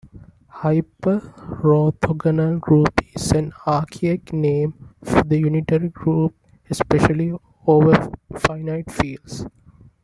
Hyperorthogonal group is an archaic name for the unitary group, especially over finite fields.